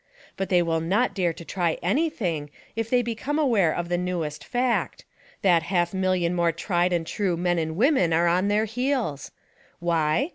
But they will not dare to try anything if they become aware of the newest fact : That half mil lion more tried and true men and women are on their heels! Why?